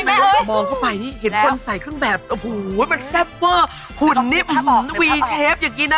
มันก็มองเข้าไปนี่เห็นคนใส่เครื่องแบบโอ้โหมันแซ่บเว่อร์หุ่นนิบอื้อหือวีเชฟอย่างงี้นะ